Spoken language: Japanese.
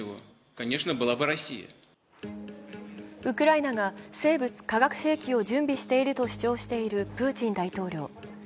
ウクライナが生物・化学兵器を準備していると主張しているプーチン大統領。